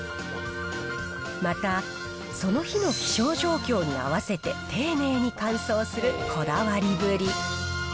また、その日の気象状況に合わせて、丁寧に乾燥するこだわりぶり。